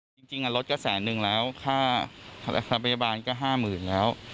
จริงจริงอ่ะรถก็แสนหนึ่งแล้วค่าค่าพยาบาลก็ห้ามื่นแล้ว